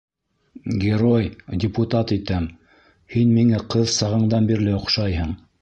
Герой, депутат итәм! һин миңә ҡыҙ сағыңдан бирле оҡшайһың!